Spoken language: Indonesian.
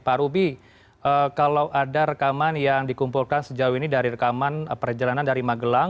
pak ruby kalau ada rekaman yang dikumpulkan sejauh ini dari rekaman perjalanan dari magelang